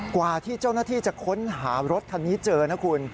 กว่าที่เจ้าหน้าที่จะค้นหารถคันนี้เจอนะคุณ